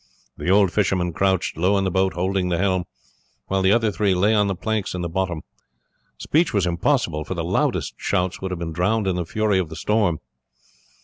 The old fisherman crouched low in the boat, holding the helm, while the other three lay on the planks in the bottom. Speech was impossible, for the loudest shouts would have been drowned in the fury of the storm.